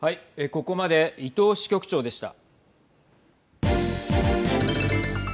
ここまで伊藤支局長でした。